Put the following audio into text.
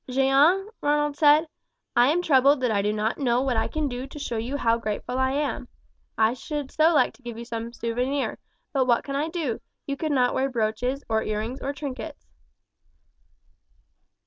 "Jeanne," Ronald said, "I am troubled that I do not know what I can do to show you how grateful I am. I should so like to give you some souvenir, but what can I do you could not wear brooches, or earrings, or trinkets."